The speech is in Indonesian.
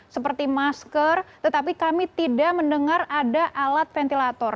seperti masker tetapi kami tidak mendengar ada alat ventilator